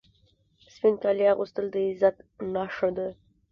سپین کالي اغوستل د عزت نښه ده.